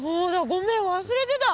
ごめん忘れてた。